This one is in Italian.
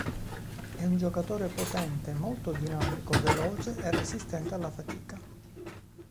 È un giocatore potente, molto dinamico, veloce e resistente alla fatica.